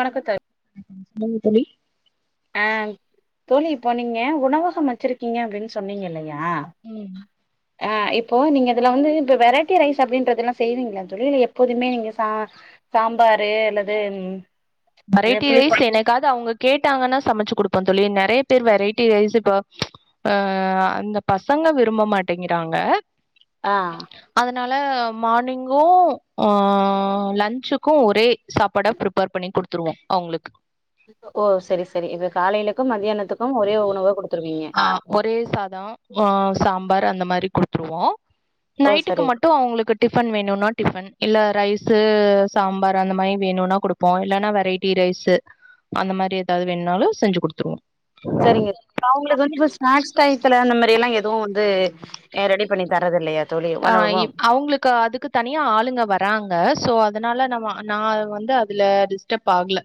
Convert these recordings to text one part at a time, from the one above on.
வணக்கோ தோழி உ சொல்லுங்க தோழி ஆ தோழி இப்ப நீங்க உணவகம் வச்சிருக்கீங்க அப்டினு சொன்னீங்க இல்ல ஆ ம் ஆ இப் இப்போ நீங்க அதுல வந்து இப்ப வெரைட்டி ரைஸ் அப்டின்றதுலா செய்வீங்ளா தோழி இல்ல எப்போதுமே நீங்க சா சாம்பாரு அல்லது இது வெரைட்டி ரைஸ் புளிக்கொழ என்னெக்காவ்து அவங்க கேட்டாங்கன்னா சமச்சு குடுப்பே தோழி நெறைய பேர் வெரைட்டி ரைஸ் இப்ப ஆ அந்த பசங்க விரும்ப மாட்டேங்குறாங்க ஆ அதனால மார்னிங்கு ஆ லன்ச்சுக்கு ஒரே சாப்பாடா ப்ரிப்பேர் பண்ணி குடு த்துருவோ அவங்ளுக்கு ஓ செரி செரி இப்ப காலேலக்கு மத்யானத்துக்கு ஒரே உணவா குடு ஆ ஒரே சாதோ ஆ சாம் வாரோ அந்த மாரி குடுத்துருவோ ஓ நைட்டுக்கு சரி மட்டு அவ்ங்களுக்கு டிஃபன் வேணுனா டிஃபன் இல்ல ரைஸு சாம்பார் அந்த மாரி வேணுனா குடுப்போ இல்லனா வெரைட்டி ரைஸு அந்த மாரி ஏதாது வேணுனாலு செஞ்சு குடுத்துருவோ சரிங்க ஆ உங்களுக்கு வந்து இப்ப ஸ்னாக்ஸ் டயத்துல அந்த மாரியெல்லா எதுவு வந்து ஏ ரெடி பன்னி தரது இல்லயா ஆ இப் அவுங்களுக்கு அதுக்கு தனியா ஆளுங்க வராங்க சோ அது அதுனால நம்ம நா வந்து அதுல டிஸ்டரப் ஆகல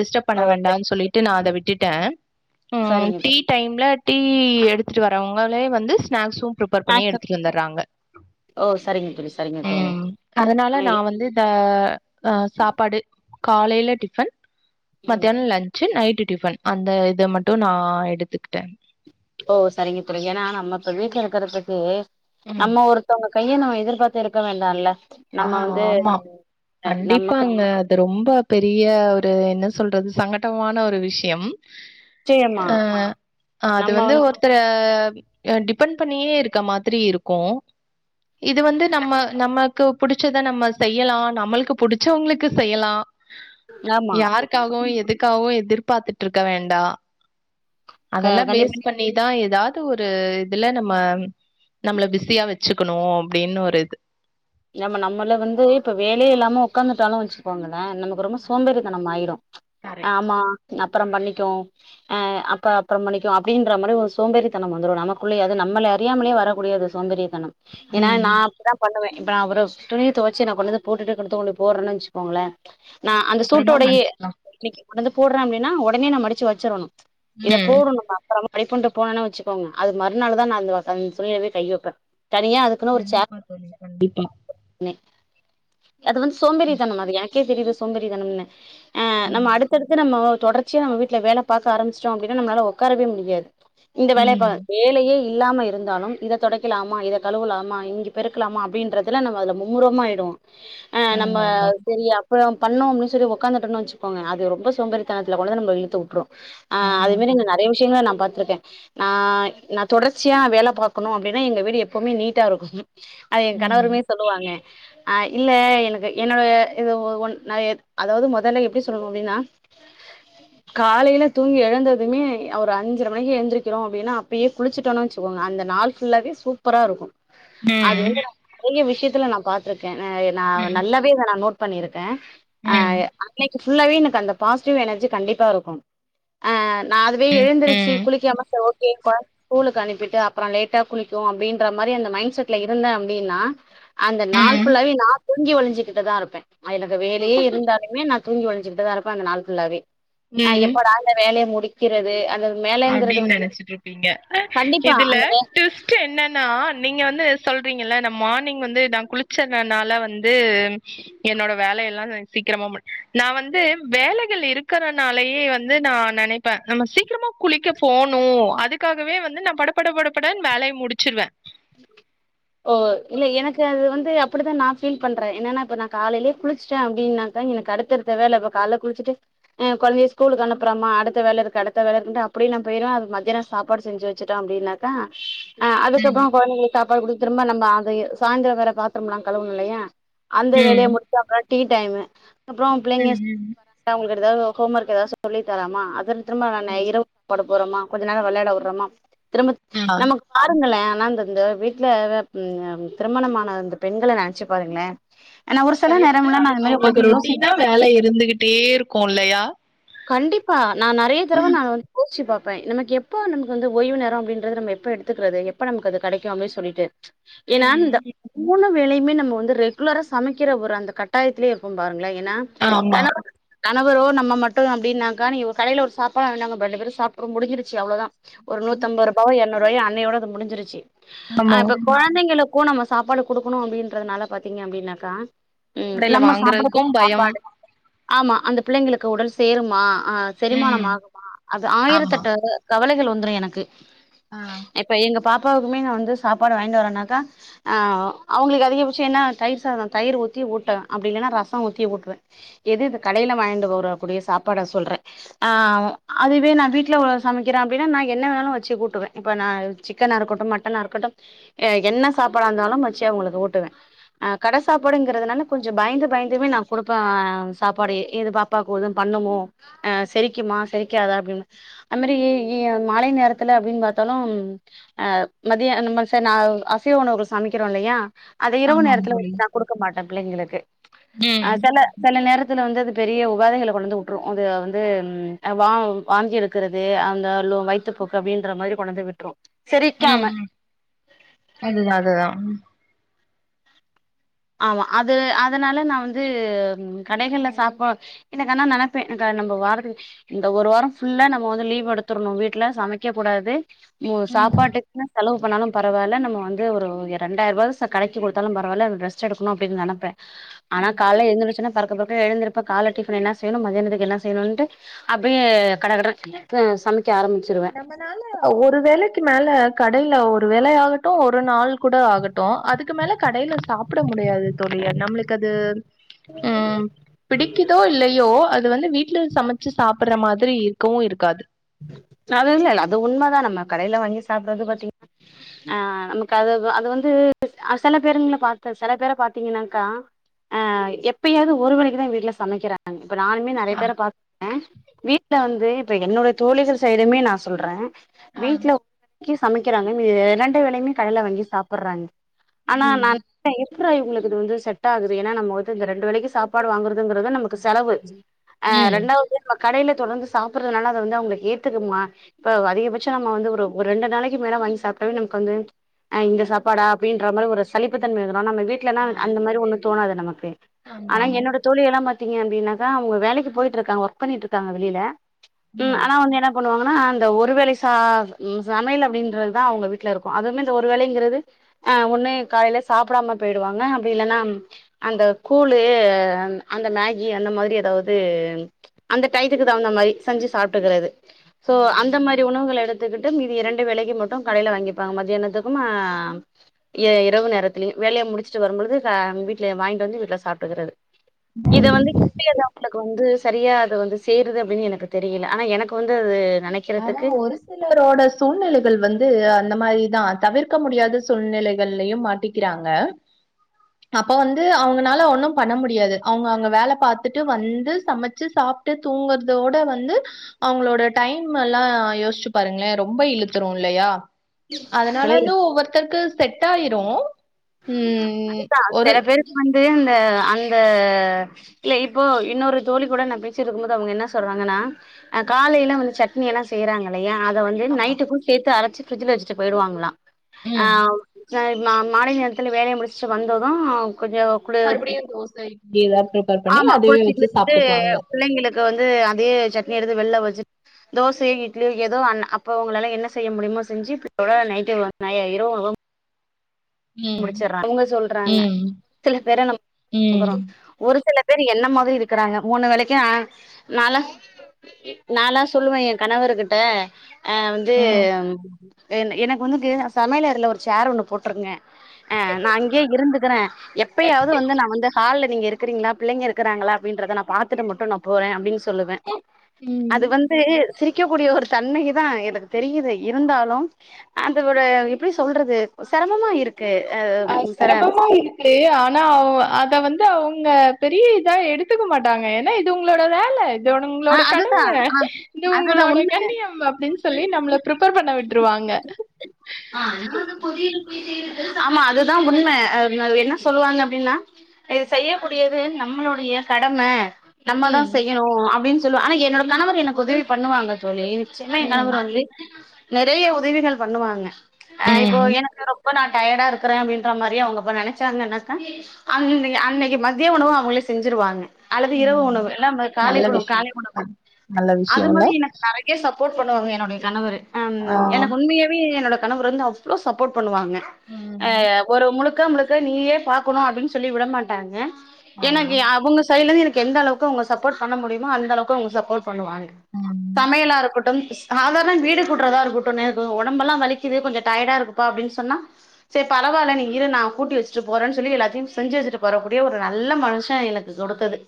டிஸ்டப் ஓ பண்ண சரி வேண்டானு சொல்லிட்டு நா அத விட் டுட்டே ஆ சரிங்க டீ தோழி டைம்ல டீ எடுத்துட்டு வரவங்களே வந்து ஸ்னாக்ஸு பிரப்பேர் பண்ணி ஸ்நாக்ஸ் எடுத்துட்டு வந்துட்றாங்க ஓ செரிங்க தோழி செரிங்க தோழி அதனால [unintelligible] நான் வந்து இந்த அ ஆ சாப்பாடு காலைல டிஃபன் ம் மத்யானோ லன்சு நைட்டு் டிஃபன் அந்த இத மட்டு நா எடுத்துக்கிட்டே ஓ சரிங்க தோழி எனா நம்ம இப்ப வீட்ல இருக்குறதுக்கு ம். நம்ம ஒருத்தவ்ங்க கைய நம்ம எதிர்பாத்து இருக்க வேண்டால்ல ஆ நம்ம வந்து ஆமா நமக்கு கண்டிப்பாங்க அது ரொம்ப பெரிய ஒரு என்ன சொல்றது சங்கட்டமான ஒரு விஷ்யம் நிச்சயமா ஆ அது வந்து ஒருத்தர அ டிப்பன் பண்ணியே இருக்க மாதிரி இருக்கு இது வந்து நம்ம நம க்கு புடுச்சத நம்ம செய்யலா நம்மள்க்கு புடுச்சவ்ங்ளுக்கு செய்யலா ஆமா யாருக்காகவு எதுக்காகவு எதிர் பாத்துட்ருக்க வேண்டா க அதெல்லா பேஸ் கண்டிப்பா பண்ணிதா எதா து ஒரு இதுல நம்ம நம்ள பிஸியா வச்சுக்கணு அப்டின்னு ஒரு இது நம்ம நம்மள வந்து இப்ப வேலயே இல்லாம ஒக்காந்துட்டாலு வச்சுக்கோங்களே நமக்கு ரொம்ப சோம்பேறிதனமாயிரு கரெக்ட். ஆமா ந ப்புறம் பண்ணிக்குவொ அ அப்ப அப்றம் பண்ணிக்குவோ அப்டின்ற மாரி ஒரு சோம்பேறித்தனம் வந்துரு நமக்குள்ளயே அது நம்மள அறியாமலே வரக்கூடியது சோம்பேரித்தனம் ஏனா நா ம். அப்டிதா பண்ணுவே இப்ப நா அவரு துணிய தொவச்சு நா கொண்டந்து போட்டுட்டு [unintelligible] போட்றன் வச்சுக்கோங்களே நா அந்த அப்புறமா சூட்டோடயே மடிச்சுக்கலாம். வந்து போட்ற அப்டின்னா ஒடனே நா மடுச்சு வச்சுறனு ம். எப்போரு நம்ம அப்பறமா மடிப்பொன்டு போனென வச்சிகோங்க அதுக் மறுநாள் தா நா அந்த அந் துணிலவே கை வப்ப தனியா அதுக்குனு ஒரு சே கண்டிப்பா தோழி. கண்டிப்பா ரு அது வந்து சோம்பேறி ம். தனம் அது என க்கே தெரியிது சோம்பேறிதனம்னு ஆ நம்ம ம். அடுத்தடுத்து நம்ம தொடர்ச்சியா நம்ம வீட்ல வேல பாக்க ஆரம்பிச்டோ அப்டின்னா நம்ளால ஒக்காரவே முடியாது இந்த வேலய ம். பா வேலையே இல்லாம இருந்தாலும் இத தொடக்கலாமா இத கழுவலாமா இங்க பெருக் கலாமா அப்டின்றதுல நம்ம அதுல மும்முரமா ஆயிடுவொ ஆ நம்ம ஆமாமா. செரியா ப்யே [unintelligible] பண்ணோ அப்படின் சொல்லி உடாந்துட்டுன்ன வச்சுோங்க அது ரொம்போ சோம்பத்ரிதனத்தில் கொண்டுவந்துநம இழுத்து விட்டுரும் ஆஹ் அது ஆமா மாதிரி தோழி. இங்கநெரய விஷயங்கள நான் பாத்திருக்கேன் ந நான் தொடர்ச்சியா வேலை பார்கணும் அப்படின்னா எங்க வீடு எப்பவுமே நீட்டா இருக்கும் அது என் ம். கணவருமே சொல்லுவாங்க ஆஹ் இல்ல எனக்கு என்னோடைய இது ஒ ந அதாவது முதல்ல எப்படி சொல்லுவும் அப்படின்னா காலையில தூங்கி எழுந்ததுமே ஒரு அஞ்சரை மணிக்கு எழுந்திரிக்கிறோம் அப்படின்னா அப்பயே குளிச்சுட்டோம்ன்னு வச்சுக்கோங்க அந்த நாள் ஃபுல்லாவே சூப்பரா இருக்கும் அது ம். வந்து ந நிறைய விஷயத்த யில்லா நா பாத்திருக்கேன் நான் ம். நல்லாவ நான் நோட் பண்ணிரு ம். ஆஹ் அ அன்னைக்கு ஃபுல்லாவவே எனக்கு அந்த பாசிட்டிவ் எனர்ஜி கண்டிப்பா இருக்கும் நான் அதுவே எழுந்தருச்சு ம். குளிக்காம குழந்தைய ஸ்கூலுக்கு அனுப்பிட்டுப்புறம் லேட்டா குளிக்கும் அப்படின்ற மாதிரி அந்த மைண்ட்செட் யு ல அபடித அபடினா அந்த நாள் ம். புளாவே நா தூங்கி வழிஞ்ச்சிட்டுதா இருபே எனக்கு வேலையே இருந்தாலு நா தூங்கி வழிஞ்ட்டுதா இருப்பேஅந்த நாள் புளாவே ஆஹ் எப்போடல வேலையை முடி கிறது அந்த வேலைங்கிறது அபடின்னு வந்து நினச்சிட்டுயிரு ருப்பிங்க கண்டிப்பா இதுல அந்த டுவிஸ்ட் என்னனா நீங்க வந்து சொல்றீங்கல்ல நம் மார்னிங் வந்து நான் குளிச்சனால வந்து என்னோட வேலை எல்லாம் சீக்கிரமா மு நான் வந்து வேலைகள் இருக்கறனாலயே வந்து நான் நினைப்பேன் நம்ம சீக்கிரமா குளிக போணுஅதுகாகவே வந்து நா படபட படவெனு வேலய முடிச்சிருவே ஓ இல்லலை எனக்கு அது வந்து அப்படித்தான் நான் ஃபீல் பண்றேன் என்னன்னா இப்ப நான் காலையிலயே குளிச்சுட்டேன் அப்படின்னாக்கா எனக்கு அடுத்த வேலை இப்ப காலைல குளிச்சுட்டுஹ குழந்தைய ஸ்கூலுக்கு அனுப்புறாமமா அடுத்த வேலை இருக்கு அடுத்த வேலை இருக்குட்டு அப்படியின் நான் போயிருவேன் அது மத்தியானம் சாப்பாடு செஞ்சு வச்சுட்டே அப்படின்னாக்கா ஆ அது ம். சொபம் கோ [unintelligible] சாப்பாடு கொடு திரும்ப நம்ம அத சாயந்திர வேற பாத்ரம்லாம் கழுவணும் இல்லையா அந்த வேலைய ம். முடிச்ச [unintelligible] டீ டைமு அப்புறம் பிள்ளைங்க ம், ம். [unintelligible] வட்டா உங்க ஏதாவது ஹோம் ஒர்க் ஏதாவது சொல்லி தராமா அது திரும்ப நானு ம். இரவு படு கொஞ்சநேரம் விளையாட விடுறமா திரும்ப ஆ நமக்கு பாருங்களே ஆனந்த [unintelligible] வீட்ல திருமணமான அந்த பெண்களை நினைச்சு பாருங்களேன் கரெக்டா அவங்களுக்கு ரொட்டீனா வேலை இருந்துகிட்டே இருக்கும் இல்லையா கண்டிப்பா நா நெறைய தடவ நா வந்து யோசிச்சுபாப்பேன் அ எனக்கு எப்ப அந்த நமக்கு வந்து ஓய்வு நேர அப்டின்றது நம்ம எப்ப எடுத்துக்றது எப்ப நமக்கு அது கடைக்கு அப்டி சொல்லிட்டு எனா ம். இந்த மூணு வேளயுமே நம்ம வந்து ரெகுலரா சமக்கிற ஒரு அந்த கட்டாயத்திலே இருக்கொம் பாரு இல்லைங்கனா ஆமா. கணவ [inaudible] கணவரோ நம்ம ம ட்டு அப்டின்னாக்கா நீங்க ஒ கடைல ஒரு சாப்பாடு வாங்கினாங்கப்பா ரெண்டு பேரு சாப்ட்ருவொ முடுஞ்சிருச்சி அவ்ளொ தா ஒரு நூத்தம்பருபாவோ எற்நூருவாயோ அ ன்னயோட அது முடுஞ்சிருச்சு ஆ ஆமா. இப்ப கொழந்தைங்களுக்கு நம்ம சாப்பாடு குடுக்கணு அப்டின்றதுனால பாத்தீங்க அப்டின்னாக்கா ம் கடைல நம்ம வாங்குறதுக்கு சாப்புட்றதுக் பயம் சாப்பாடு ஆமா அந்த பிள்ளங்களுக்கு உடல் சேருமா ஆ செரிமானம் ம் ஆகுமா அது ஆமா ஆயிரத்தெட்டு கவலைகள் வ ந்துரு எனக்கு ஆ இப்ப எங்க பாப் பாவுக்குமே நா வந்து சாப்பாடு வாங்கிட்டு வரேன்னாக்கா ஆ அவுங்களுக்கு அதிகபட்ச என்னா தயிர் சாத தயிர் ஊத்தி ஊட்டுவே அப்டி இல்லனா ரச ஊத்தி ஊட்டுவே எது இந்த கடைல வாங்கிண்டு வர கூடிய சாப்பாட சொல்றே ஆ அதுவே நா வீட்ல சமக்கிறே அப்டின்னா நா என்ன வேணாலு வச்சு ஊட்டுவெ இப்ப நா சிக்கனா இருக்கட்டு மட்டனா இருக்கட்டு என்ன சாப்பாடா இருந்தாலும் வச்சு அவுங்களுக்கு ஊட்டுவே அ கட சாப்பாடுங்கிறதுனால கொஞ்ச பயந்து பயந்துமே நா குடுப்ப சாப்பாடயெ இது பாப்பா க்கு எதும் பண்ணுமோ அ செரிக்குமா செரிக்காதா அப்டின்னு அது மாரி மாலை நேரத்துல அப்டின் பாத்தாலும் அ மதிய அந்த ம ச நா அசைவ உணவுகள் சமைக்கிறோல்லயா அத இரவு ஆமாங்க நேரத்துல தோழி வந்து நா குடுக்க மாட் டே பிள்ளைங்களுக்கு ஆ ம் செல செல நேர த்துல வந்தது பெரிய ஒ வேதனைல கொண்டந்து வுட்ரு அது வந்து ம் வா வாந்தி எடுக்குறது அந்த லோ வயித்துப்போக்கு அப்டின்ற மாரி கொண்டந்து விட்ரு செரிக்காம ம் ம் அதுதா அதுதா ஆமா அது அதுனால நா வந்து கடைகள்ல சாப்ப எனக் அனா நனப்பே எனக்கு நம்ம வாரத்துக்கு இந்த ஒரு வார ஃபுல்லா நம்ம வந்து லீவ் எடுத்தர்ணு வீட்ல சமைக்க கூடாது [unintelligible] சாப்பாட்டுக்னா செலவு பண்ணாலு பரவால்ல நம்ம வந்து ஒரு ரெண்டாயருவா ச கடைக்கு குடுத்தாலும் பரவால்ல ரெஸ் ஸா இருக்கனு அப்டின் நெனப்பே ஆனா கால்ல எந்துருச்சொன பரக்க பரக்க எழுந்திருப்ப கால டிஃபன் என்ன செய்யணு மதியானத்துக்கு என்ன செய்ணுன்ட்டு அப்டியே கட கடன் சமக் நம்மனால ஒரு வேளைக்கு மேல கடைல ஒ ரு வேளயாகட்டு ஒரு நாள் கூட ஆகட்டு அதுக்கு மேல கடைல சாப்ட முடியாது தோழி நம்ளுக்கு அது அ பிடிக்கிதோ இல்லையோ அ து வந்து வீட்ல சமச்சி சாப்பிட்ற மாதிரி இருக்கவு இருக்காது [unintelligible] அது உண்ம தா நம்ம கடைல வாங்கி சாப்டது பாத்தீங் ஆ நமக்கு அது அது வந்து அ செல பேருங்கள பாத்த செல பேர பாத்தீங்கன்னாக்கா ஆ எப்பயாது ஒரு வேளக்கி தா வீட்ல சமக்கிறாங்க இப்ப நானுமே நறைய ஆ பேர பாத்துருக்க வீட்ல வந்து இப்ப என்னுடைய தோழிகள் சைடுமே நா சொல்ற ஆ வீட்ல கிஸ் சமைக்கறாங்க ரெண்டு வேலயுமே கடையில வாங்கி சாப்புற்றாங் ஆனா ம் நான் [inaudible] அப்புறோ இவங்களுக்குது வந்து செட் ஆகுது ஏனா நம்ம வந்து இந்த ரெண்டு வேலைக்கு சாப்பாடு வாங்குறதுங்கறது நமக்கு செலவு ஆ ம் ரெண்டாவது நமக் கடையில தொடர்ந்து சாப்புறதுனால அது வந்து அவுங்களுக் ஏத்துக்குமா இப்ப அதிகபட்ச நம்ம வந்து ஒரு ஒரு ரெண்டு நாளைக்கு மேல வாங்கி சாப்டாலே நமக்கு வந்து இந்த சாப்பாடா அப்டின்ற மாரி ஒரு சலிப்புத்தன்ம இப்ப நம்ம வீட்லனா ஆ அந்த மாரி ஒன்னுக் தோணாது நமக்கு கே ஆனா ஆமா என்னோட தொழி எல்லாம் பாத் தீங்க அப்புடின்னாக்கா அவங்க வேலைக்கு போயிட்டு இருக்காங்க ஒர்க் பண்ணிட்டு இருக்காங்க வெளியில ம்ய ம் ஆனா என்ன பண்ணுவாங்கன்னா அந்த ஒரு வேலை ச சமையல் அப்டின்றதா அவுங்க வீட்ல இருக்கு அதுவுமே இந்த ஒரு வேலைங்கிறது அ ஒண்ணு காலைல சாப்புடாம போயிடுவாங்க அப்டி இல்லன்னா அந்த கூலு அந்த மேகி அந்த மாரி எதாவது அந்த டையத்துக்கு தகுந்த மாரி செஞ்சு சாப் போட்டுக்குறது சோ ஆ அந்த மாரி உணவுகள எடுத் த்துகிட்டு மீதி ரெண்டு வேலைக்கு மட்டு கடையில வாங்கிப்பாங்க மத்தியானத்துக்குமா இரவு நேரத்துலயு வேலைய முடிச்சுட்டு வரும்பொழுது வீட்ல வாங்கிட்டு வந்து வீட்ல சாப்புட்டுக்குறது இத ம் வந்து கட்டியத அவங்களுக்கு வந்து சரியா அத வந்து சேருது அப்டின்னு எனக்கு தெரியில ஆனா எனக்கு வந்து அது ஆனா ஒரு சிலரோட சூழ்நிலைகள் வந்து அந்த மாரிதா தவிர்க்க முடியாத சூழ்நிலைகள்லையும் மாட்டிக்கிறாங்க அப்ப வந்து அவங்கனால ஒண்ணும் பண்ண முடியாது அவங்க அங்க வேல பாத்துட்டு வந்து சமச்சு சாப்டு தூங்குறதோட வந்து அவங்களோட டைம் டைம் எல்லா யோஸ்சு பாருங்களே ரொம்ப இழுத்துரு இல்லயா அதனால வந்து ஒவ்வொருத்தருக்கு செட் ஆயிரு அதுதா சில பேருக்கு வந்து அந்த அந்த இல்ல இப்போ இன்னொரு தோழி கூட நா பேசிட்டு இருக்கும் போது அவங்க என்ன சொல்றாங்கன்ன காலைல வந்து சட்னி எல்லா செய்றாங்கல்லையா இத வந்து ஆமா. நைட்டுக்கு சேத்து அரச்சு ஃப்ரிஜ்ஜில வெச்சுட்டு போயிடுவாங்களா ஆ ம். ந மா [unintelligible] இதுல வேலைய முடுச்சுட்டு வந்தது மறுபடியு தோச இட்லிலா ஃபிரிப்பேர் பண்ணி அதுவே வெச்சு சாப்டுக்குவாங்க க்கு வந்து அதே சட்னி எடுத்து வெள்ல வச்சு தோசை இட்லி எதோ அன் அப்ப உங்களால என்ன செய்ய முடியுமோ செஞ்சு ப் போக நைட்டு ஒ நை இரவு உணவ ம். முடிச்சர்றா அவங்க சொல்றாங்க ம். சில பேர நம் ங்குறோ ம். ஒரு சில பேரு என்ன மாதிரி இருக்கறாங்க மூணு வேளைக்கு ஆ நால்லா நால்லா சொல்லுவே ஏன் கணவர்கிட்ட ஆ வந்து என் எனக்கு வந்துட்டு சமையலறைல ஒரு சேர் ஒண்ணு போட்ருங்க ஆ நா அங்கயே இருந்துக்கிறே ம். எப்பயாவது வந்து நா வந்து ஹால்ல நீங்க இருக்கிறீங்களா பிள்ளைங்க இருக்கறாங்களா அப்டின்றத நா பாத்துட்டு மட்டு நா போறே அப்டின் சொல்லுவே அது வந்து சிரிக்கக் கூடிய ஒரு தன்மைதா எனக்கு தெரியுது இருந்தாலு அதோட எப்பிடி சொல்றது செரமமா இரு ஆ செரமமா இருக்கு ஆனா அவ அத வந் து அவுங்க பெரிய இதா எடுத்துக்க மாட்டாங்க ஏன்னா இது உங்களோட வேல இது ஆ உங்களோட அதுதா கடம ஆ இது அதுதா உண்ம உங்களோட கண்ணியம் அப்டின்னு சொல்லி நம்மள பிரிப்பேர் பண்ண விட்ருவாங்க ஆமா அதுதா உண்ம ஆ ம என்ன சொல்வாங்க அப்டின்னா இது செய்யக்கூடியது நம்மளுடைய கடம நம்மதா ம் செய்யணு அ சொல்லுவ ஆனா என்னோட கணவர் எனக்கு உதவி பண்ணுவாங்க தோழி ச்சன்னா ஏன் ம் கணவர் வந்து நெறைய உதவிகள் பண்ணுவாங்க ஆ இப்போ ம் எனக்கு ரொம்ப நா டயடா இருக்குறே அப்டின்ற மாரி அவங்க அப்ப நெனச்சாங்கனாக்கா அன் அன்னக்கி மதிய உணவு அவங்களே செஞ்சுருவாங்க அல்லது இரவு ம் உணவு இல்ல ம காலை நல்ல பொழு விஷயம் காலை உணவு அ நல்ல விஷயோல்ல போட் பண்ணுவாங்க என்னுடைய கணவரு அம் எனக்கு உண்மையாவே என்னோட கணவர் வந்து அவ்ளோ சப்போர்ட் பண்ணுவாங்க ஆ ம் ஒரு முழுக் க முழுக்க நீயே பாக்கணு அப்டின்னு சொல்லி விடமாட்டாங்க ஆ எனக்கு அவங்க சைடுலர்ந்து எனக் கு எந்த அளவுக்கு அவுங்க சப்போட் பண்ண முடியுமோ அந்தளவு க்கு அவுங்க சப்போர்ட் பண்ணுவாங்க ம் சமையலா இருக்கட்டும் சாதாரண வீடு கூட்றதா இருக்கட்டு எனக்கு ஒடம்பெல்லா வலிக்குது கொஞ்ச டயர்டா இருக்குப்பா அப்டின்னு சொன்னா சேரி பரவால்ல நீ இரு நா கூட்டி வச்சிட்டு போறேன்னு சொல்லி எல்லாத்தையு செஞ்சு வச்சுட்டு போறக் கூடிய ஒரு நல்ல மனுஷ எனக்கு கொடுத்தது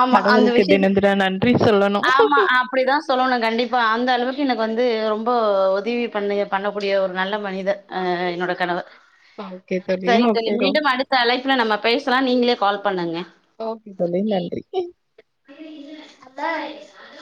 ஆமா அந்த கடவுளுக்கு விஷயத் தினம் தினம் நன்றி சொல்லணு ஆமா அப்பிடிதா சொல்லணு கண்டிப்பா அந் அந்த அளவுக்கு எனக்கு வந்து ரொம்ப உதவி பண்ண பண்ணக்கூடிய ஒரு நல்ல மனிதர் ஆ என்னோட கணவர் ஓகே சரி தோழி ஓகே ரோ மீண்டும் அடுத்த அழைப்பில நம்ப பேசலாம் நீங்களே கால் பண்ணுங்க ஓகே தோழி நன்றி [unintelligible]